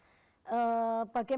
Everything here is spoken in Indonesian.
bagaimana desa ini bisa dikembangkan